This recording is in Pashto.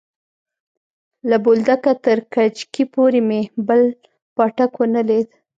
له بولدکه تر کجکي پورې مې بل پاټک ونه ليد.